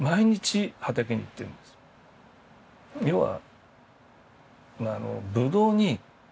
要は。